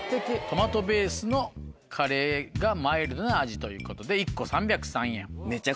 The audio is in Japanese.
トマトベースのカレーがマイルドな味ということで１個３０３円。